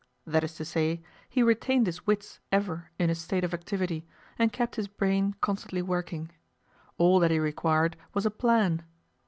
That is to say, he retained his wits ever in a state of activity, and kept his brain constantly working. All that he required was a plan.